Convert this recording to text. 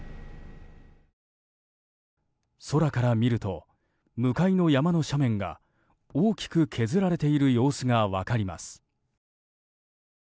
空から見ると向かいの山の斜面が大きく削られている様子が分かります。